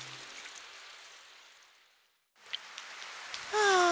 ああ